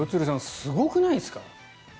すごくないですか？